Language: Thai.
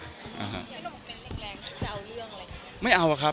อย่างนี้ผมเป็นแรงคุณจะเอาเรื่องอะไรอย่างนี้ครับ